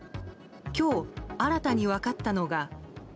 今日、新たに分かったのが。